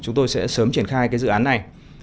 chúng tôi sẽ sớm triển khai cái dự án này